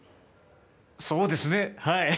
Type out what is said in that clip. そうですねはい。